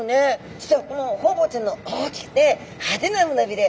実はこのホウボウちゃんの大きくて派手な胸びれ。